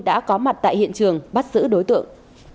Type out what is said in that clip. đã có mặt tại hiện trường bắt giữ đối tượng